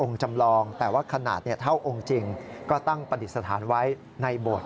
ก็ตั้งปฏิสถานไว้ในโบสถ์